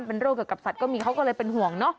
มันโรคกับสัตว์ก็มีเขาก็เลยเป็นห่วงเนอะ